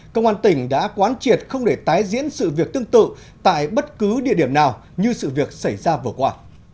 công an tỉnh đã quán triệt không để tái diễn sự việc tương tự tại bất cứ địa điểm nào như sự việc xảy ra vừa qua